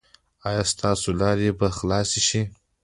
ایا ستاسو لارې به خلاصې شي؟